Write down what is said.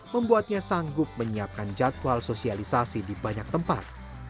membuatnya sanggup menyiapkan jadwal sosialisasi di banyak tempat